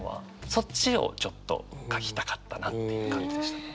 そっちをちょっと書きたかったなっていう感じでしたね。